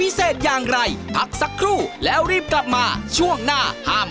โอ้โหตั้งแต่เปิดรายการ